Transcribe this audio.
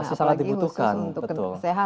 tapi misalnya ini menunjukan peruntuk jadwal